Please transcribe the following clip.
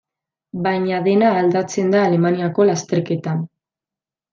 Baina dena aldatzen da Alemaniako lasterketan.